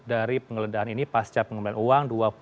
dari penggeledahan ini pasca pengembalian uang